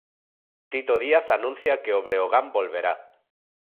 Tito Díaz anuncia que o Breogán volverá.